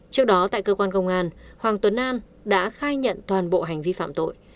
trước đó tại cơ quan công an hoàng tuấn an đã khai nhận toàn bộ hành vi phạm tội